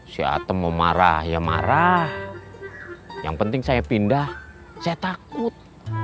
kum kamu sama ido ya pindah ke ciraos